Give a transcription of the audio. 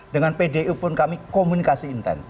dengan pdu pun kami komunikasi intent